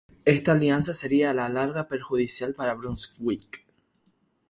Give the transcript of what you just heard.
Esta alianza sería a la larga perjudicial para Brunswick.